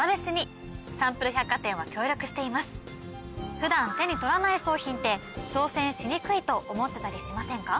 普段手に取らない商品って挑戦しにくいと思ってたりしませんか？